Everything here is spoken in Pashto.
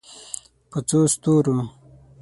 په څو ستورو